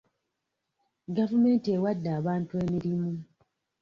Gavumenti ewadde abantu emirimu.